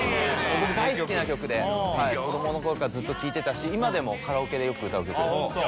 僕大好きな曲で子どもの頃からずっと聴いてたし今でもカラオケでよく歌う曲です